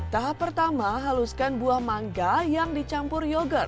tahap pertama haluskan buah mangga yang dicampur yogurt